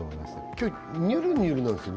今日「にゅるにゅる」なんですよ